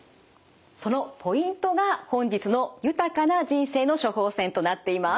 そのポイントが本日の豊かな人生の処方せんとなっています。